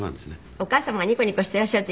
お母様がニコニコしていらっしゃると。